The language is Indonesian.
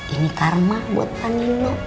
ini karma buat pak nino